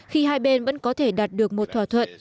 khi hai bên vẫn có thể đạt được một thỏa thuận